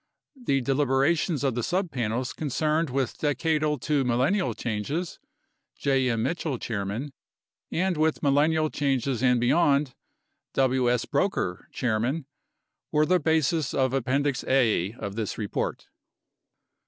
The deliberations of the subpanels concerned with decadal to millenial changes (J. M. Mitchell, Chairman) and with millenial changes and beyond (W. S. Broecker, Chairman) were the basis of Appendix A of this report.